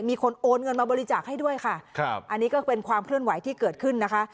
มีคนโอนเงินมาบริจาคให้ด้วยค่ะครับอันนี้ก็เป็นความเคลื่อนไหวที่เกิดขึ้นนะคะ